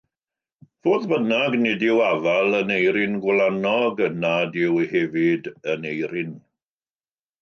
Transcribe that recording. Fodd bynnag, nid yw "afal" yn "eirin gwlanog", nad yw hefyd yn "eirin".